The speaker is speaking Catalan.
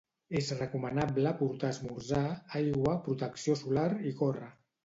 És recomanable portar esmorzar, aigua, protecció solar i gorra.